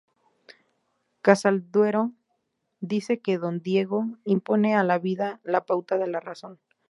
Casalduero dice que don Diego impone a la vida la pauta de la razón.